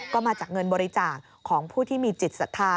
ก็มาจากเงินบริจาคของผู้ที่มีจิตศรัทธา